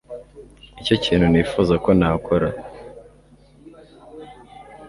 Nicyo kintu nifuza ko nakora